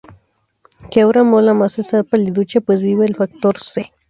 que ahora mola más estar paliducha pues viva el factor C